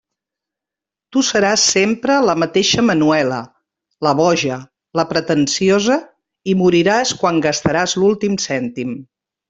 Tu seràs sempre la mateixa Manuela, la boja, la pretensiosa, i moriràs quan gastaràs l'últim cèntim.